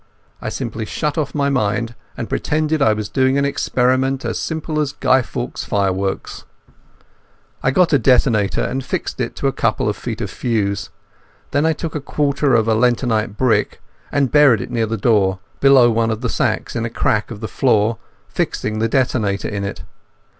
I simply shut off my mind and pretended I was doing an experiment as simple as Guy Fawkes fireworks. I got a detonator, and fixed it to a couple of feet of fuse. Then I took a quarter of a lentonite brick, and buried it near the door below one of the sacks in a crack of the floor, fixing the detonator in it.